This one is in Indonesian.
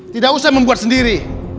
tidak usah membuat sendiri